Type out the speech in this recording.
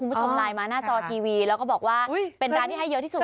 คุณผู้ชมไลน์มาหน้าจอทีวีแล้วก็บอกว่าเป็นร้านที่ให้เยอะที่สุด